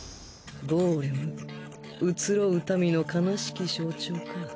ゴーレムうつろう民の悲しき象徴か。